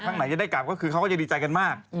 ข้างไหนจะได้กลับก็คือเขาก็จะดีใจกันมาก